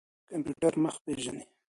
کمپيوټر مخ پېژني.